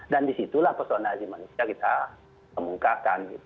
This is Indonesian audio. dan disitulah persoalan azim manusia kita mengungkarkan